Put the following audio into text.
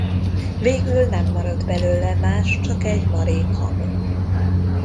Végül nem maradt belőle más, csak egy marék hamu.